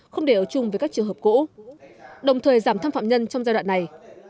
không để ở chung với các trường hợp cũ đồng thời giảm tham phạm nhân trong giai đoạn này